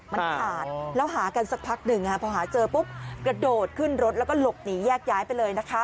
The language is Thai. มันขาดแล้วหากันสักพักหนึ่งพอหาเจอปุ๊บกระโดดขึ้นรถแล้วก็หลบหนีแยกย้ายไปเลยนะคะ